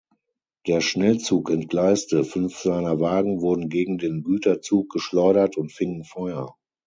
Der Schnellzug entgleiste, fünf seiner Wagen wurden gegen den Güterzug geschleudert und fingen Feuer.